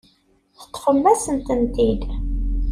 Teṭṭfemt-asent-tent-id.